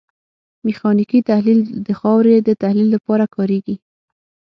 میخانیکي تحلیل د خاورې د تحلیل لپاره کاریږي